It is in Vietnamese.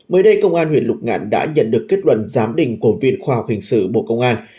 mới đây công an huyện lục ngạn đã nhận được kết luận giám định của viện khoa học hình sự bộ công an